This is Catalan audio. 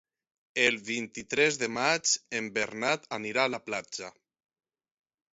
El vint-i-tres de maig en Bernat anirà a la platja.